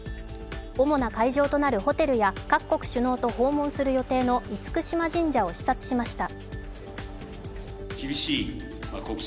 主な会場となるホテルや各国首脳と訪問する予定の厳島神社を視察しました。